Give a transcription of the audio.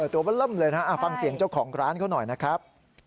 ตัวมันเริ่มเลยนะฮะฟังเสียงเจ้าของร้านเขาหน่อยนะครับ